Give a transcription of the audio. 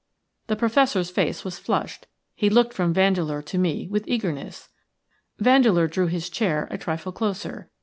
The Professor's face was flushed; he looked from Vandeleur to me with eagerness. Vandeleur drew his chair a trifle closer.